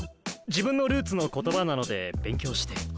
自分のルーツの言葉なので勉強して。